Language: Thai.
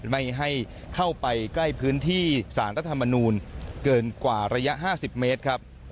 ไม่ให้เข้าไปใกล้พื้นที่สารรัฐธรรมนูลเกินกว่าระยะ๕๐เมตรครับ